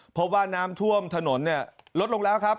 เพราะว่าน้ำท่วมถนนลดลงแล้วครับ